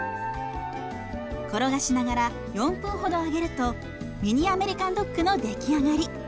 転がしながら４分ほど揚げるとミニアメリカンドッグの出来上がり。